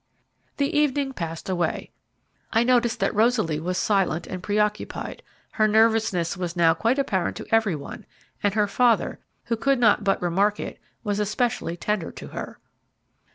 The evening passed away. I noticed that Rosaly was silent and preoccupied; her nervousness was now quite apparent to every one, and her father, who could not but remark it, was especially tender to her.